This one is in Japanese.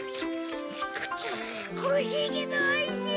苦しいけどおいしい！